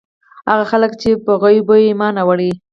هغه خلک چې په غيبو ئې ايمان راوړی